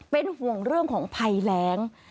เป็นห่วงเรื่องของภัยแรง